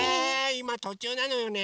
いまとちゅうなのよね。